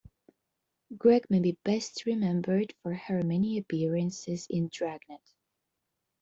Gregg may be best remembered for her many appearances in "Dragnet".